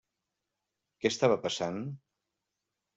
Què estava passant?